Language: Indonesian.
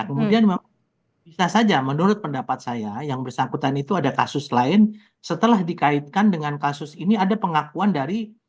kemudian bisa saja menurut pendapat saya yang bersangkutan itu ada kasus lain setelah dikaitkan dengan kasus ini ada pengakuan dari